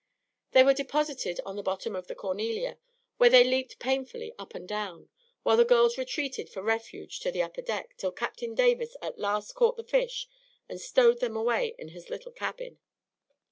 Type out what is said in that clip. They were deposited on the bottom of the "Cornelia," where they leaped painfully up and down, while the girls retreated for refuge to the upper deck, till Captain Davis at last caught the fish and stowed them away in his little cabin.